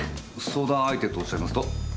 相談相手とおっしゃいますと？